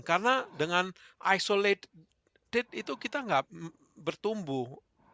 karena dengan isolated itu kita ngga bertumbuh